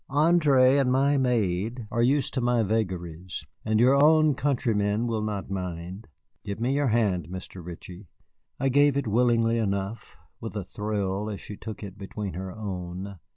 "André and my maid are used to my vagaries, and your own countrymen will not mind. Give me your hand, Mr. Ritchie." I gave it willingly enough, with a thrill as she took it between her own.